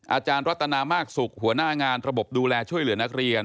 อาจารย์รัตนามากสุขหัวหน้างานระบบดูแลช่วยเหลือนักเรียน